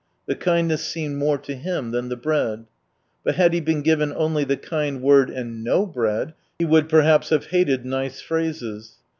The kindness seemed more to him than the bread. But had he been given only the kind word and no bread, he would perhaps have hated nice phrases.